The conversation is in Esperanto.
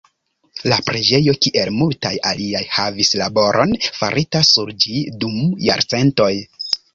La preĝejo, kiel multaj aliaj, havis laboron farita sur ĝi dum jarcentoj.